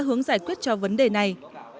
hướng giải quyết cho vấn đề này